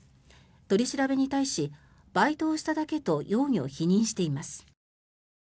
取り調べに対しバイトをしただけと容疑を否認しています。